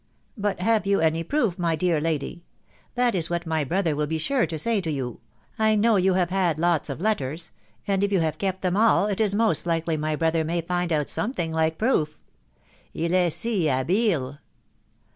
But have yon my proof, my dear lady ?..•. that is what my brother wULk sure to say to you ..•. I know you have had lots of lettenj and if you have kept them all, it is most likely my brother may find out something like proof .... Eel ay 9m abeel!"